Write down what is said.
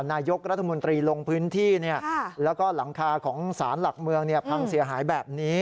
นายกรัฐมนตรีลงพื้นที่แล้วก็หลังคาของศาลหลักเมืองพังเสียหายแบบนี้